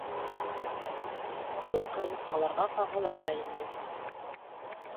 Был ҡырмыҫҡаларға ҡағыла ла инде.